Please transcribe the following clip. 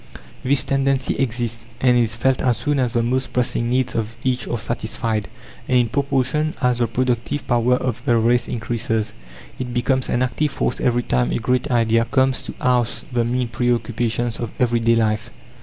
This tendency exists, and is felt as soon as the most pressing needs of each are satisfied, and in proportion as the productive power of the race increases. It becomes an active force every time a great idea comes to oust the mean preoccupations of everyday life.